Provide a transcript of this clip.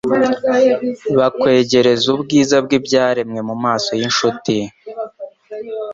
bakwegereza ubwiza bw'ibyaremwe, mu maso y'inshuti